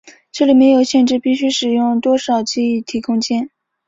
这里没有限制必须使用多少记忆体空间。